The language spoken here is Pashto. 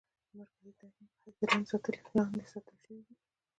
د مرکزي تهيم په حېث د نظر لاندې ساتلے شوې ده.